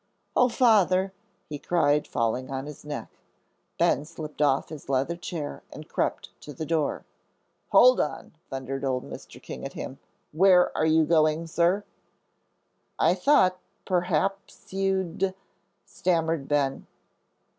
"Oh, Father!" he cried, falling on his neck. Ben slipped off his leather chair and crept to the door. "Hold on!" thundered old Mr. King at him. "Where are you going, sir?" "I thought perhaps you'd " stammered Ben.